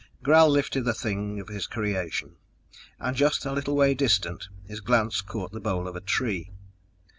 Gral lifted the thing of his creation ... and just a little way distant, his glance caught the bole of a tree.